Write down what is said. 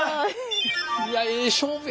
いやええ勝負やったな。